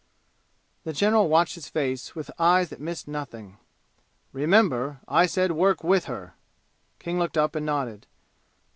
The general watched his face with eyes that missed nothing. "Remember I said work with her!" King looked up and nodded.